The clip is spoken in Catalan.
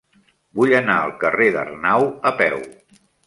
Vull anar al carrer d'Arnau a peu.